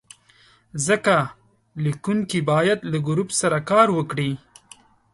ځکه لیکونکی باید له ګروپ سره کار وکړي.